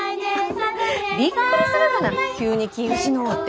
びっくりするがな急に気ぃ失うて。